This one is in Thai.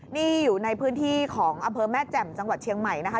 นี่อยู่ในพื้นที่ของอำเภอแม่แจ่มจังหวัดเชียงใหม่นะคะ